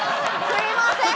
すいません！